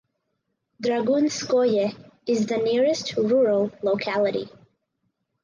Dragunskoye is the nearest rural locality.